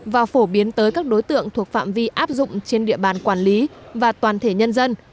và phổ biến tới các đối tượng thuộc phạm vi áp dụng trên địa bàn quản lý và toàn thể nhân dân